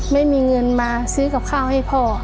ไม่มีเงินมาซื้อกับข้าวให้พ่อ